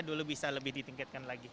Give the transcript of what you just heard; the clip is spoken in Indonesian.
dulu bisa lebih ditingkatkan lagi